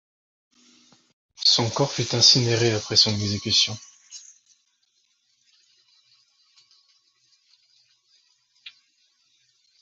Son corps fut incinéré après son exécution.